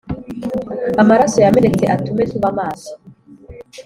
amaraso yamenetse atume tuba maso